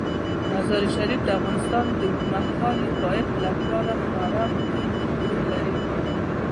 مزارشریف د افغانستان د اوږدمهاله پایښت لپاره خورا مهم رول لري.